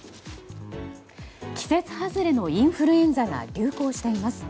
季節外れのインフルエンザが流行しています。